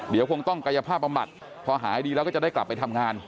เดี๋ยวคงต้องกายภาพบำบัดพอหายดีแล้วก็จะได้กลับไปทำงาน